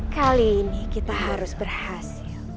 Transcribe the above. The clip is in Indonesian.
kali ini kita harus berhasil